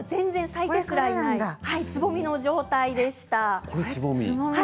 咲いてすらいないつぼみの状態でした。